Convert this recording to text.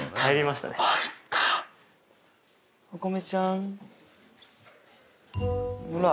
おこめちゃん。